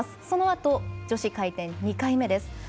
そのあと、女子回転２回目です。